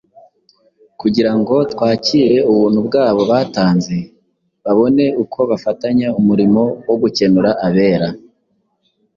kugira ngo twakire ubuntu bwabo batanze, babone uko bafatanya umurimo wo gukenura abera